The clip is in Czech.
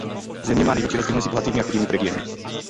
Země má největší rozdíl mezi bohatými a chudými v regionu.